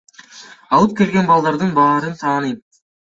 Алып келген балдардын баарын тааныйм.